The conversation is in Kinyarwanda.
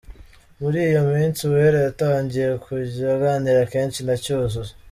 Muri iyo minsi Uwera yatangiye kujya aganira kenshi na Cyuzuzo .